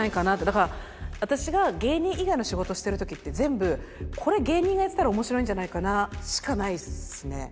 だから私が芸人以外の仕事してる時って全部これ芸人がやってたら面白いんじゃないかなしかないですね。